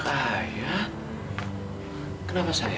sekarang udah nggak ada yang tersisa lagi